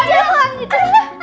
ada bang itu